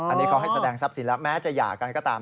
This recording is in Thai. อันนี้เขาให้แสดงทรัพย์สินแล้วแม้จะหย่ากันก็ตาม